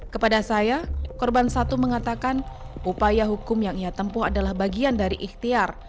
kepada saya korban satu mengatakan upaya hukum yang ia tempuh adalah bagian dari ikhtiar